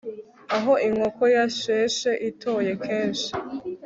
aho inkoko yasheshe itoye kenshi